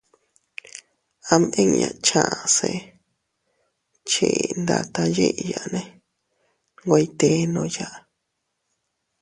Ama inña chaʼa see chii ndatta yiʼiyane nwe ytennoya.